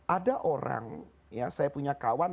ada orang ya saya punya kawan